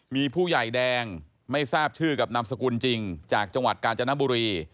มีผู้ใหญ่แดงไม่ทราบชื่อกับนามสกุลจริงจากจังหวัดกาญจนบุรี